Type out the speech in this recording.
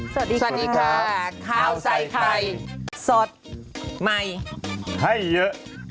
สวัสดีค่ะข้าวใส่ไข่สดใหม่ให้เยอะ